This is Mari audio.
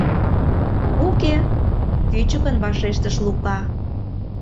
— Уке, — кӱчыкын вашештыш Лука.